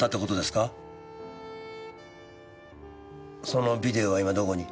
そのビデオは今どこに？